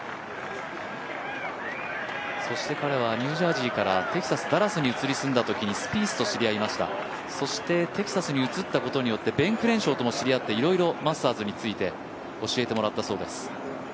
そして彼はニュージャージーからテキサス・ダラスに移り住んだときにスピースと知り合いました、そしてテキサスに移ったことによって、ベン・クレンショーとも知り合っていろいろマスターズについて教えてもらったそうです。